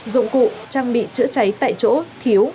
dụng cụ trang bị chữa trái tại chỗ thiếu